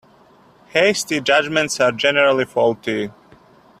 Hasty judgements are generally faulty.